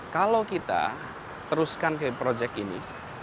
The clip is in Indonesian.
kalau kita teruskan ke proyek ini